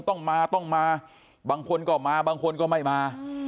ต้องมาต้องมาบางคนก็มาบางคนก็ไม่มา